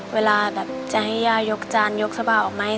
เวลาแบบจะให้ย่ายกจานยกสบายออกไหม